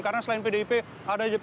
karena selain pdip ada banyak